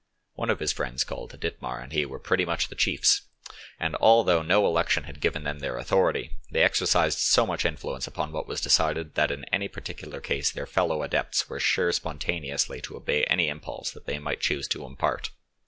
One of his friends called Dittmar and he were pretty much the chiefs, and although no election had given them their authority, they exercised so much influence upon what was decided that in any particular case their fellow adepts were sure spontaneously to obey any impulse that they might choose to impart.